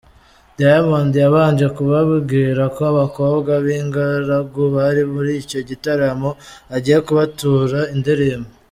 Diamond yabanje kubabwira ko abakobwa b'ingaragu bari muri icyo gitaramo agiye kubatura indirimbo.